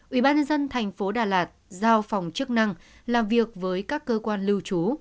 ủy ban nhân dân tp đà lạt giao phòng chức năng làm việc với các cơ quan lưu trú